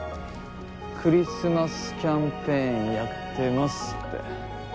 クリスマスキャンペーンやってますって。